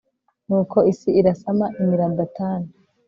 nuko isi irasama, imira datani